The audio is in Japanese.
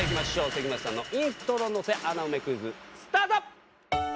関町さんのイントロ乗せ穴埋めクイズスタート！